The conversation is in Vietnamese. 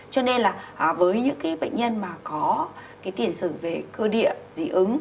cho nên là với những bệnh nhân mà có tiền sử về cơ địa dí ứng